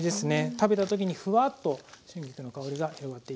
食べた時にフワッと春菊の香りが広がっていきます。